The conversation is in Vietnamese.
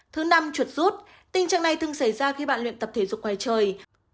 thứ năm chuột rút tình trạng này từng xảy ra khi bạn luyện tập thể dục ngoài trời